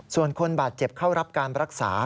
ส่วนคนบาดเจ็บเข้ารับการรักษา